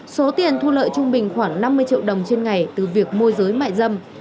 số tiền thu lợi trung bình khoảng năm mươi triệu đồng trên ngày từ việc môi giới mại dâm